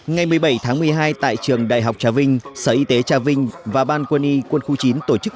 ngày một mươi bảy tháng một mươi hai tại trường đại học trà vinh sở y tế trà vinh và ban quân y quân khu chín tổ chức